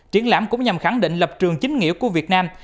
triển lãm cũng nhằm khẳng định lập trường chính nghĩa của việt nam